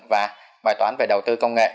và bài toán về đầu tư công nghệ